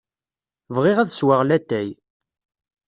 Bɣiɣ ad sweɣ latay.